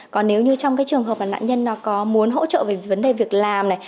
còn nếu như trong trường hợp nạn nhân có muốn hỗ trợ về vấn đề việc làm này